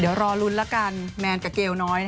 เดี๋ยวรอลุ้นละกันแมนกับเกลน้อย